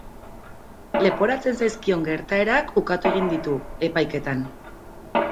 Leporatzen zaizkion gertaerak ukatu egin ditu, epaiketan.